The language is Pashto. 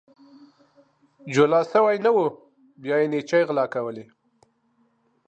جولا سوى نه وو ، بيا يې نيچې غلا کولې.